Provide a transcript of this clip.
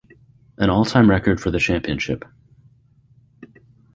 An all-time record for the championship.